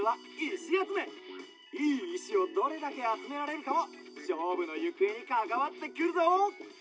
いいいしをどれだけあつめられるかもしょうぶのゆくえにかかわってくるぞ。